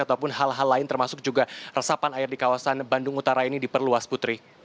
ataupun hal hal lain termasuk juga resapan air di kawasan bandung utara ini diperluas putri